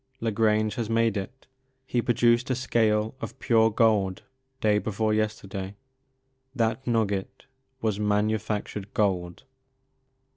La Grange has made it. He produced a scale of pure gold day before yesterday. That nugget was manufactured gold."